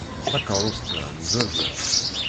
Takeṛṛust-a n baba.